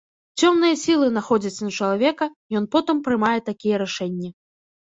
Цёмныя сілы находзяць на чалавека, ён потым прымае такія рашэнні.